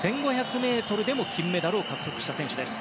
１５００ｍでも金メダルを獲得した選手です。